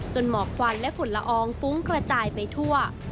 หมอกควันและฝุ่นละอองฟุ้งกระจายไปทั่ว